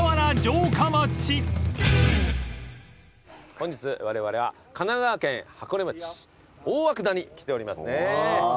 本日われわれは神奈川県箱根町大涌谷来ておりますね。